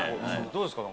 どうですか？